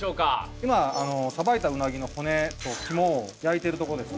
今さばいたうなぎの骨と肝を焼いてるとこですね